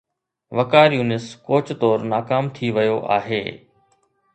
وقار Younis coach طور ناڪام ٿي ويو آهي.